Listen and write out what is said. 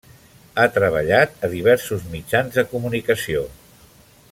Ha treballat a diversos mitjans de comunicació.